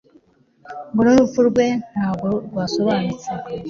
ngo n'urupfu rwe ntago rwasobanutse